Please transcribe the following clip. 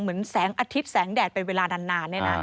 เหมือนแสงอาทิตย์แสงแดดเป็นเวลานาน